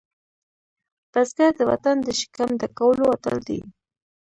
بزګر د وطن د شکم ډکولو اتل دی